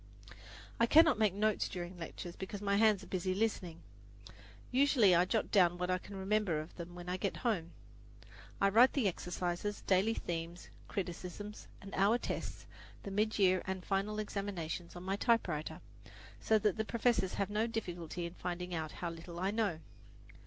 I cannot make notes during the lectures, because my hands are busy listening. Usually I jot down what I can remember of them when I get home. I write the exercises, daily themes, criticisms and hour tests, the mid year and final examinations, on my typewriter, so that the professors have no difficulty in finding out how little I know.